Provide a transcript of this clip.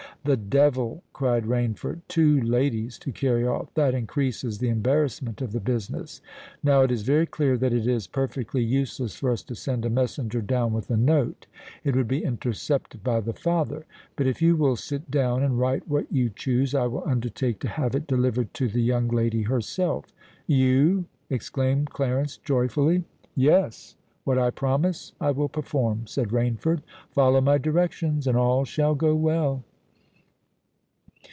"The devil!" cried Rainford: "two ladies to carry off! That increases the embarrassment of the business. Now it is very clear that it is perfectly useless for us to send a messenger down with a note: it would be intercepted by the father. But if you will sit down and write what you choose, I will undertake to have it delivered to the young lady herself." "You?" exclaimed Clarence joyfully. "Yes: what I promise, I will perform," said Rainford. "Follow my directions—and all shall go well."